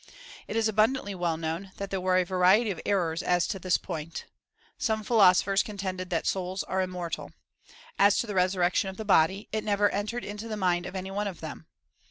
It is abundantly well known, that there were a variety of errors as to this point. Some philosophers contended that souls are immortal. As to the resurrection of the body, it never entered into the mind of any one of them.